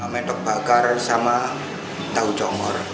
mentok bakar sama tahu congor